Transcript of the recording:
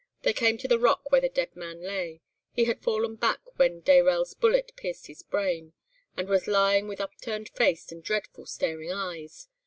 They came to the rock where the dead man lay. He had fallen back when Dayrell's bullet pierced his brain, and was lying with upturned face and dreadful staring eyes.